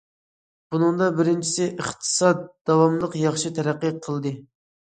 بۇنىڭدا، بىرىنچىسى، ئىقتىساد داۋاملىق ياخشى تەرەققىي قىلدى.